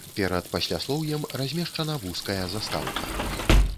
Перад пасляслоўем размешчана вузкая застаўка.